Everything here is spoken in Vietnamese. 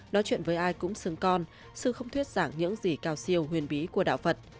nói chuyện với ai cũng xứng con sư không thuyết giảng những gì cao siêu huyền bí của đạo phật